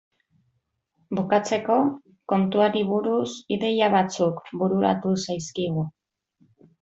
Bukatzeko, kontuari buruz ideia batzuk bururatu zaizkigu.